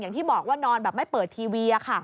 อย่างที่บอกว่านอนแบบไม่เปิดทีวี